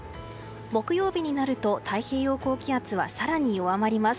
木曜日になると太平洋高気圧は更に弱まります。